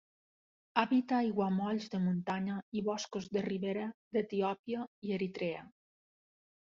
Habita aiguamolls de muntanya i boscos de ribera d'Etiòpia i Eritrea.